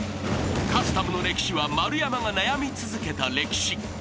［カスタムの歴史は丸山が悩み続けた歴史］